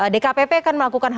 dkpp akan melakukan hal lain